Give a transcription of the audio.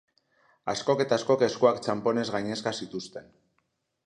Askok eta askok eskuak txanponez gainezka zituzten.